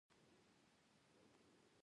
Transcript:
افغان انجوني بايد له درس محرومه نشی